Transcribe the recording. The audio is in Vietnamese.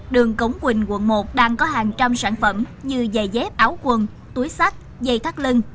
đường cống quỳnh quận một đang có hàng trăm sản phẩm như giày dép áo quần túi sách giày thắt lưng